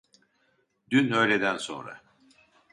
Dün öğleden sonra